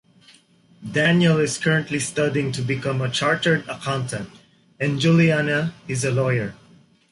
Daniel is currently studying to become a chartered accountant and Julianna is a lawyer.